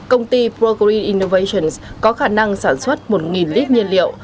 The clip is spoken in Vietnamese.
công ty pro green innovations có khả năng sản xuất một lít nhiên liệu